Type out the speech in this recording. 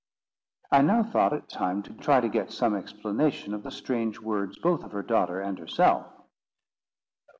I now thought it time to try to get some explanation of the strange words both of her daughter and herself.